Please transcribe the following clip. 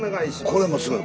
これもすごい。